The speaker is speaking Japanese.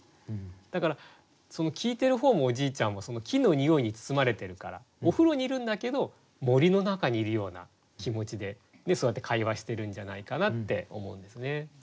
だから聞いてる方もおじいちゃんもその木のにおいに包まれてるからお風呂にいるんだけど森の中にいるような気持ちでそうやって会話しているんじゃないかなって思うんですね。